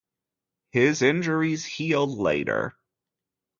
His injuries healed later.